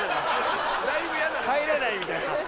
帰れないみたいな。